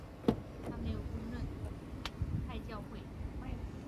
他没有公开认同或坚持任何教派或教会。